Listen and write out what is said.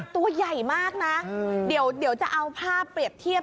ตัวใหญ่มากนะเดี๋ยวจะเอาภาพเปรียบเทียบ